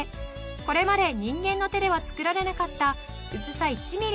これまで人間の手では作られなかった薄さ１ミリを実現。